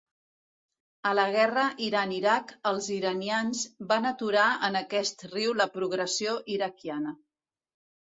A la guerra Iran-Iraq, els iranians van aturar en aquest riu la progressió iraquiana.